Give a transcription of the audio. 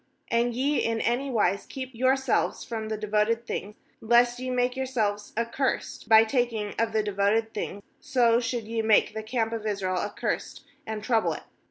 18And ye, in any wise keep yourselves from the devoted thing, lest ye make your selves accursed by taking of the de voted thing, so should ye make the camp of Israel accursed, and trouble it.